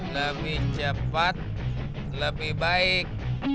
lebih cepat lebih baik